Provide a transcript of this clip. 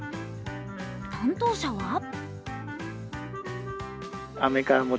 担当者は？